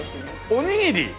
おにぎり！？